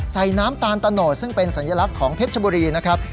น้ำตาลตะโนดซึ่งเป็นสัญลักษณ์ของเพชรชบุรีนะครับ